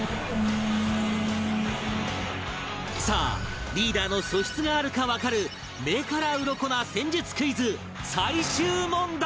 さあリーダーの素質があるかわかる目からウロコな戦術クイズ最終問題